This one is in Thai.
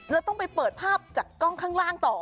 แล้วต้องไปเปิดภาพจากกล้องข้างล่างต่อ